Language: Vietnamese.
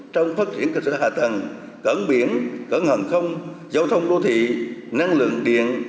trong phát triển cơ sở hạ tầng cẩn biển cẩn hẳn không giao thông đô thị năng lượng điện